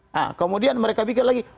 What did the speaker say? nah kemudian mereka bikin lagi